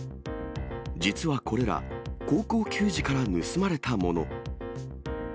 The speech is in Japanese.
実はこれら、高校球児から盗まれたもの。